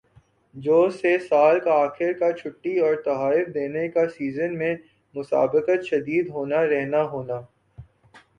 جو سے سال کا آخر کا چھٹی اور تحائف دینا کا سیزن میں مسابقت شدید ہونا رہنا ہونا